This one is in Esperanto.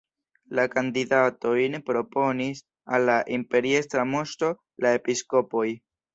La kandidatojn proponis al la imperiestra moŝto la episkopoj.